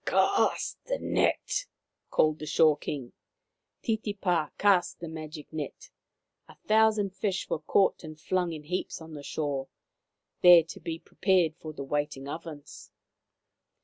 " Cast the net," called the Shore King. Titipa cast the magic net. A thousand fish were caught and flung in heaps on the shore, there to be pre pared for the waiting ovens.